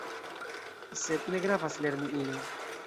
Sed ne gravas lerni ilin.